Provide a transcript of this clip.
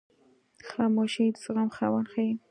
خاموشي، د زغم خاوند ښیي.